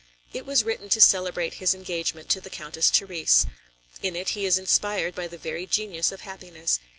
It was written to celebrate his engagement to the Countess Therese. In it he is inspired by the very genius of happiness.